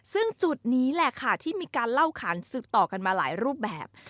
ซึ่งจุดนี้แหละค่ะที่มีการเล่าขานสืบต่อกันมาหลายรูปแบบ